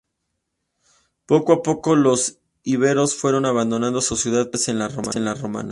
Poco a poco, los íberos fueron abandonando su ciudad para asentarse en la romana.